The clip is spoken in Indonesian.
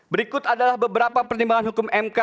berikut adalah beberapa pertimbangan hukum mk